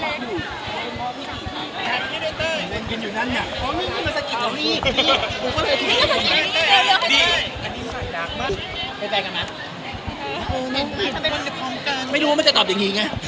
ไม่รู้ที่มันคงจะตอบอย่างงี้แหงะ